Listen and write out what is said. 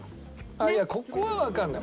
いやここはわかんない。